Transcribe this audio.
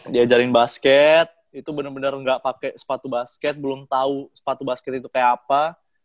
dia ajarin basket itu bener bener enggak pakai sepatu basket belum tau sepatu basket itu kayak apa